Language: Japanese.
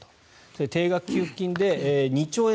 定額給付金で２兆円